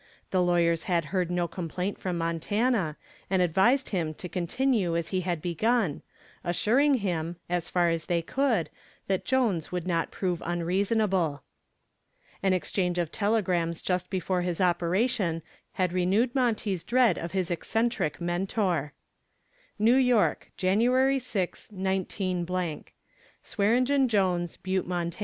The lawyers had heard no complaint from Montana, and advised him to continue as he had begun, assuring him, as far as they could, that Jones would not prove unreasonable. An exchange of telegrams just before his operation had renewed Monty's dread of his eccentric mentor. NEW YORK, Jan. 6, 19 SWEARENGEN JONES, Butte, Mont.